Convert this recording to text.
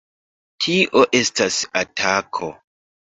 Tio estas atako!